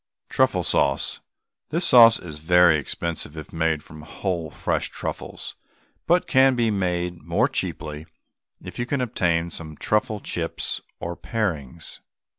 TRUFFLE SAUCE. This sauce is very expensive if made from whole fresh truffles, but can be made more cheaply if you can obtain some truffle chips or parings.